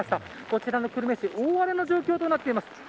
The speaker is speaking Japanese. こちらの久留米市、大荒れの状況になっています。